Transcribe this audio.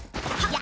や。